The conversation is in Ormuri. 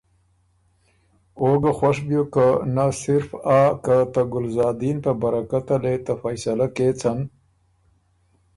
او ګۀ خوش بیوک که نۀ صرف آ که ته ګلزادین په برکته ليې ته فیصلۀ کېڅن